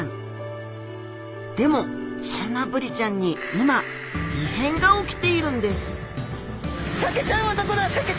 でもそんなブリちゃんに今異変が起きているんです